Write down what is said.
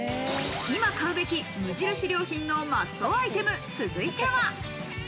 今買うべき無印良品のマストアイテム続いては。